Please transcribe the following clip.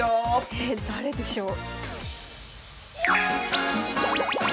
え誰でしょう？